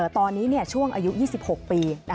ตอนนี้ช่วงอายุ๒๖ปี